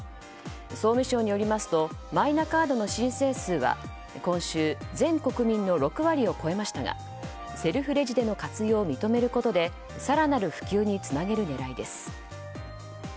総務省によりますとマイナカードの申請数は今週、全国民の６割を超えましたがセルフレジでの活用を認めることで更なる普及につなげる狙いです。